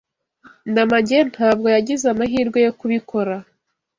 Ndamage ntabwo yagize amahirwe yo kubikora.